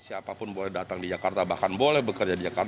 siapapun boleh datang di jakarta bahkan boleh bekerja di jakarta